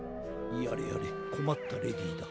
やれやれこまったレディーだ。